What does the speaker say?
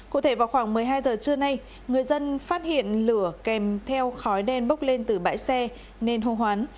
cụ thể vào khoảng một mươi hai giờ trưa nay người dân phát hiện lửa kèm theo khói đen bốc lên từ bãi xe nên hô hoán